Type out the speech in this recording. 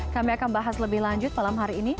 kami akan bahas lebih lanjut malam hari ini